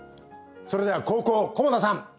それでは後攻菰田さん